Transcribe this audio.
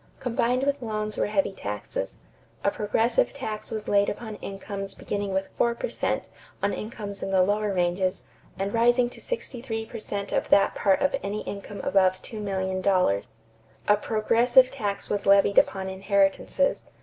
Combined with loans were heavy taxes. A progressive tax was laid upon incomes beginning with four per cent on incomes in the lower ranges and rising to sixty three per cent of that part of any income above $2,000,000. A progressive tax was levied upon inheritances.